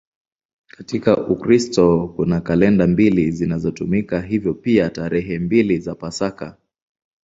Katika Ukristo kuna kalenda mbili zinazotumika, hivyo pia tarehe mbili za Pasaka.